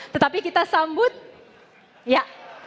tetapi kita sambut ya